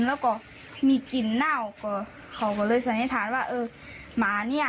แล้วก็มีกลิ่นเน่าก็เขาก็เลยสันนิษฐานว่าเออหมาเนี่ย